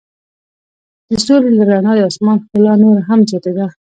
د ستوري له رڼا د آسمان ښکلا نوره هم زیاتیږي.